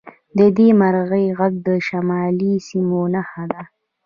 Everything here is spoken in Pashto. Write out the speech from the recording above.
د دې مرغۍ غږ د شمالي سیمو نښه ده